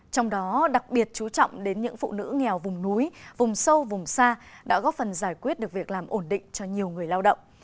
trong đó đặc biệt chú trọng đến những phụ nữ nghèo vùng núi vùng sâu vùng xa đã góp phần giải quyết được việc làm ổn định cho nhiều người lao động